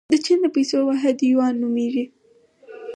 د چین د پیسو واحد یوان نومیږي.